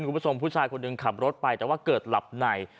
คุณผู้ชมผู้ชายคนหนึ่งขับรถไปแต่ว่าเกิดหลับใน